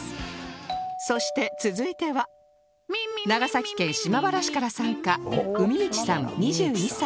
そして続いては長崎県島原市から参加うみみちさん２２歳